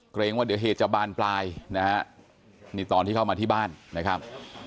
เกรงว่าเดี๋ยวเหตุจะบานปลายนะฮะนี่ตอนที่เข้ามาที่บ้านนะครับ